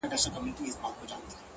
نو خود به اوس ورځي په وينو رنگه ككــرۍ’